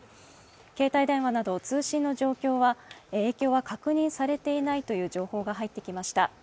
携帯電話など通信の影響は確認されていないという情報が入ってきました。